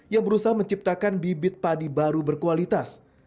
yang berusaha menciptakan bibit padi baru berkualitas